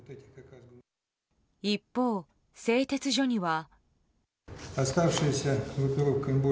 一方、製鉄所には。